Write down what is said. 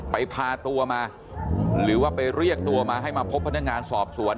พาตัวมาหรือว่าไปเรียกตัวมาให้มาพบพนักงานสอบสวน